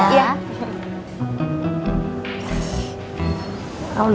terima kasih ya